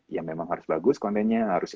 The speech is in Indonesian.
ya memang harus bagus kontennya harus